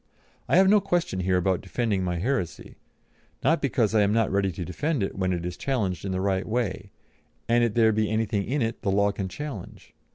I have no question here about defending my heresy, not because I am not ready to defend it when it is challenged in the right way, and it there be anything in it that the law can challenge.